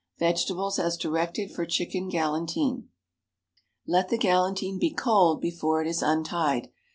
Vegetables as directed for chicken galantine. Let the galantine be cold before it is untied.